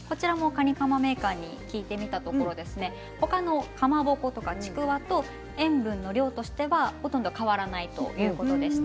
カニカマメーカーに聞いたところ他のかまぼことかちくわと塩分の量としてはほとんど変わらないということでした。